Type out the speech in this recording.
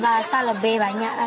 emang kira kiranya apa sih